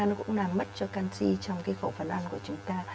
nó cũng làm mất cho canxi trong cái khẩu phần ăn của chúng ta